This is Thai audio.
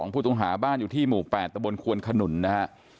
ผู้ต้องหาบ้านอยู่ที่หมู่๘ตะบนควนขนุนนะฮะ